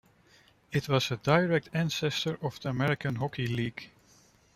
It was a direct ancestor of the American Hockey League.